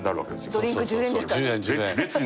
ドリンク１０円ですから。